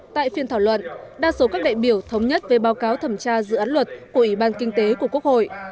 tại phiên thảo luận đa số các đại biểu thống nhất về báo cáo thẩm tra dự án luật của ủy ban kinh tế của quốc hội